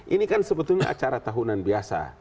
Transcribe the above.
ini kan sebetulnya acara tahunan biasa